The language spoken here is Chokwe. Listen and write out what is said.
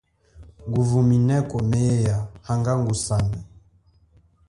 Nguvumineko meya hanga ngusane.